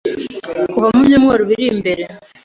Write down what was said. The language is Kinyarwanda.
kuva mu byumweru biri imbere